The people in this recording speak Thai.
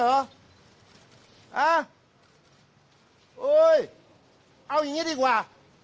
โอ๊ยเอาอย่างนี้ดีกว่า